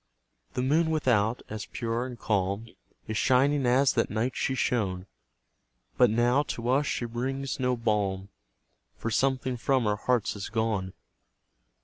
The moon without, as pure and calm, Is shining as that night she shone; But now, to us, she brings no balm, For something from our hearts is gone.